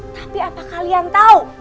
tapi apa kalian tahu